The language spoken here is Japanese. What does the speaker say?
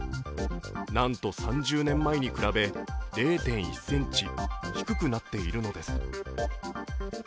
なんと３０年前に比べ０．１ｃｍ低くなっているのです。